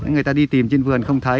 người ta đi tìm trên vườn không thấy